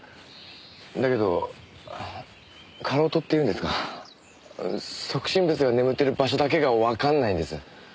だけどかろうとっていうんですか即身仏が眠ってる場所だけがわかんないんです。